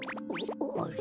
あれ。